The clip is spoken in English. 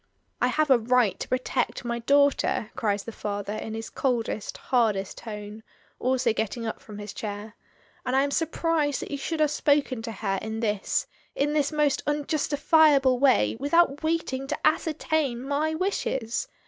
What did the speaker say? "I have a right to protect my daughter," cries the father, in his coldest, hardest tone, also getting up from his chair; "and I am surprised that you should have spoken to her in this — in this most unjustifiable way without waiting to ascertain my wishes.